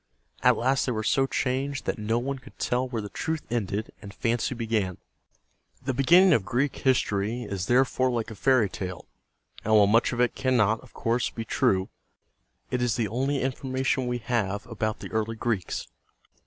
At last they were so changed that no one could tell where the truth ended and fancy began. The beginning of Greek history is therefore like a fairy tale; and while much of it cannot, of course, be true, it is the only information we have about the early Greeks.